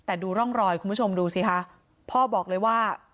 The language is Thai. แต่ดูร่องรอยคุณผู้ชมดูสิคะพ่อบอกเลยว่า